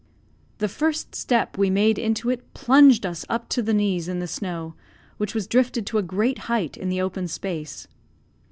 The first step we made into it plunged us up to the knees in the snow, which was drifted to a great height in the open space.